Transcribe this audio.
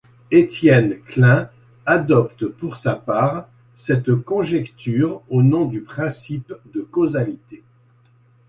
Étienne Klein adopte pour sa part cette conjecture au nom du principe de causalité.